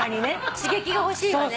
刺激が欲しいわね。